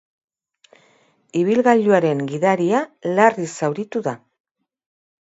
Ibilgailuaren gidaria larri zauritu da.